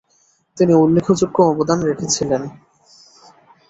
তিনি উল্লেখযোগ্য অবদান রেখেছিলেন৷